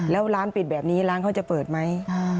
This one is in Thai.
แล้วร้านปิดแบบนี้ร้านเขาจะเปิดไหม